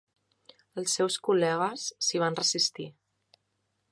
Els seus col·legues s'hi van resistir.